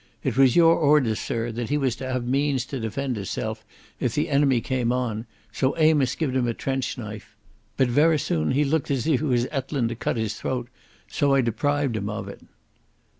It was your orders, sirr, that he was to have means to defend hisself if the enemy cam on, so Amos gie'd him a trench knife. But verra soon he looked as if he was ettlin' to cut his throat, so I deprived him of it."